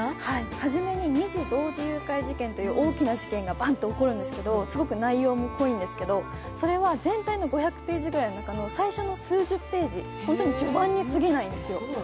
初めに二児同時誘拐事件という大きな事件がバンと起こるんですけど、すごく内容も濃いんですけど、それは全体の５００ページの中の最初の数十ページ、ホントに序盤にすぎないんですよ。